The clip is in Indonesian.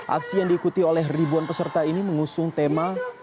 aksi yang diikuti oleh ribuan peserta ini mengusung tema